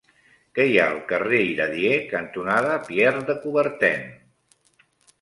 Què hi ha al carrer Iradier cantonada Pierre de Coubertin?